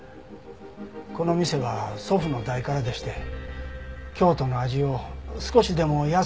この店は祖父の代からでして京都の味を少しでも安うお出しできたらて思うてて